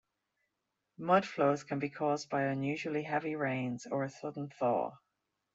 Mudflows can be caused by unusually heavy rains or a sudden thaw.